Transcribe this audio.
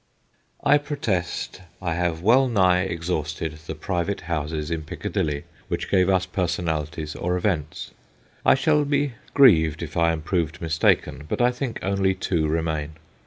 I protest I have wellnigh exhausted the private houses in Piccadilly which give us personalities or events. I shall be grieved if I am proved mistaken, but I think only two remain.